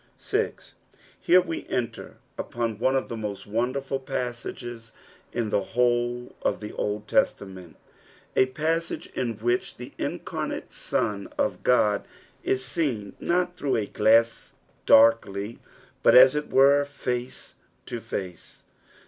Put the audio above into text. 6. Here we enter upon one of the most wonderful paasages in the whole of the Old Testament, a passctge in which the incarnate Hon of Ood is seen not through a glass darkly, but as it were (ace to face.